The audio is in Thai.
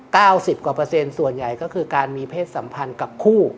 ๙๐กว่าส่วนใหญ่ก็คือการมีเพศสัมพันธ์กับคู่